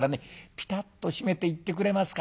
ピタッと閉めていってくれますか。